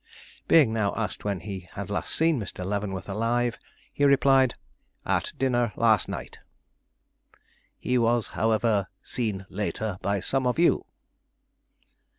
Being now asked when he had last seen Mr. Leavenworth alive, he replied, "At dinner last night." "He was, however, seen later by some of you?"